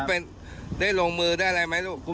อ๋อแล้วได้ลงมือได้อะไรไหมลูก